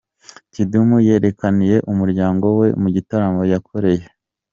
Kidum yerekaniye umuryango we mu gitaramo yakoreye i